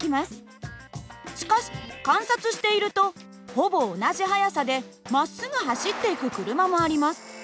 しかし観察しているとほぼ同じ速さでまっすぐ走っていく車もあります。